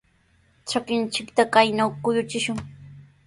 Trakinchikta kaynaw kuyuchishun.